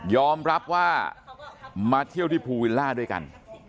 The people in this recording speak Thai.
อมรับว่ามาเที่ยวที่ภูวิลล่าด้วยกัน